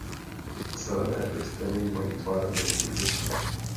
Zelené listeny mají tvar menších listů.